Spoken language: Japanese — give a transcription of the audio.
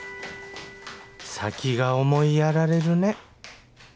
先が思いやられるね